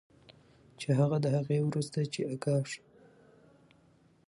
چې هغه د هغې وروسته چې آګاه شو